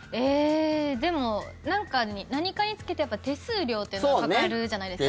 でも、何かにつけて手数料っていうのがかかるじゃないですか。